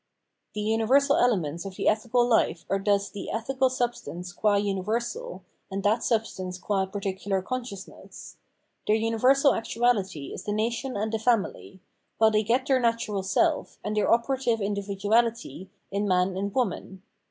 The universal elements of the ethical life are thus the (ethical) substance qm universal, and that sub 45S The Ethical World stance qua particular consciousness. Tlieir nniversal actuality is the nation and the family ; while they get their natural self, and their operative individuality, in man and woman.